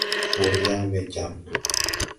Wùr yaŋ ɓɛ jam.